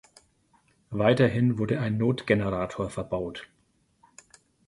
Weiterhin wurde ein Notgenerator verbaut.